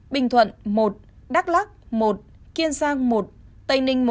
bình thuận một đắk lắc một kiên giang một tây ninh một